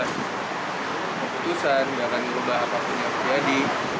itu tidak akan merubah keputusan tidak akan merubah apapun yang terjadi